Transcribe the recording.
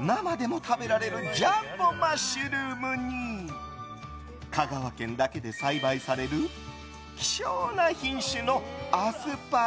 生でも食べられるジャンボマッシュルームに香川県だけで栽培される希少な品種のアスパラ。